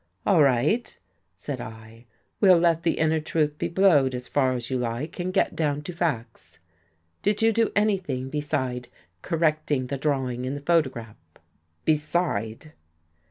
" All right," said I. " We'll let the inner truth be blowed as far as you like and get down to facts. Did you do anything beside correcting the drawing in the photograph? "" Beside?"